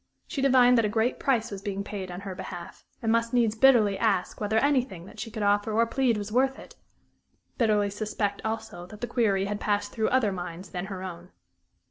She divined that a great price was being paid on her behalf, and must needs bitterly ask whether anything that she could offer or plead was worth it bitterly suspect, also, that the query had passed through other minds than her own.